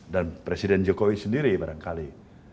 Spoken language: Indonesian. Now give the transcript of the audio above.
dan presiden jokowi sendiri barangkali